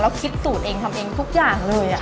คิดสูตรเองทำเองทุกอย่างเลย